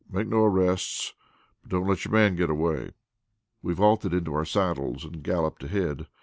Make no arrests, but don't let your man get away." We vaulted into our saddles and galloped ahead.